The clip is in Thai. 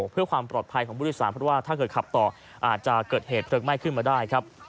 เพื่อความปลอดภัยของผู้โดยสารเพราะว่าถ้าเกิดขับต่ออาจจะเกิดเหตุเพลิงไหม้ขึ้นมาได้ครับ